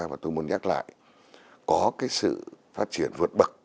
và tôi muốn nhắc lại có cái sự phát triển vượt bậc